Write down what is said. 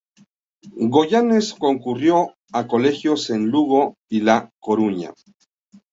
Goyanes concurrió a colegios en Lugo y La Coruña.